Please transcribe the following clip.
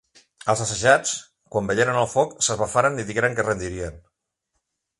Els assetjats, quan veieren el foc, s'esbafaren i digueren que es rendirien.